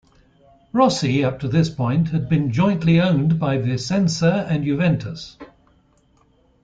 Rossi up to this point had been jointly owned by Vicenza and Juventus.